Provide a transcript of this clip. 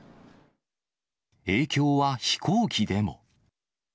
影響は飛行機でも。